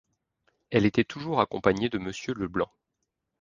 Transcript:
Elle était toujours accompagnée de Monsieur Leblanc.